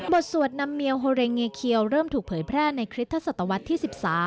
สวดนำเมียวโฮเรงเงเคียวเริ่มถูกเผยแพร่ในคริสตศตวรรษที่๑๓